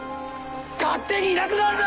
勝手にいなくなるな！